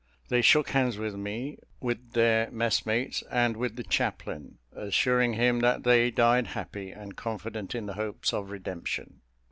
They shook hands with me, with their messmates, and with the chaplain, assuring him that they died happy, and confident in the hopes of redemption.